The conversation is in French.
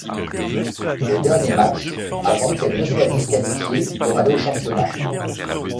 Au dernier match, avant qu’elles ne soient disqualifier pour aller au championnat.